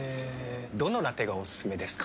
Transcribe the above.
どのラテがおすすめですか？